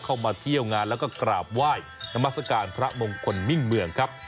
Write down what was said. เข้ามาเที่ยวงานแล้วก็กราบไหว้นามัศกาลพระมงคลมิ่งเมืองครับ